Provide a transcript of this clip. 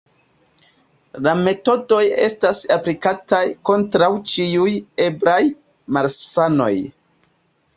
La metodoj estas aplikataj kontraŭ ĉiuj eblaj malsanoj.